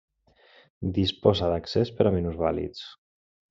Disposa d'accés per a minusvàlids.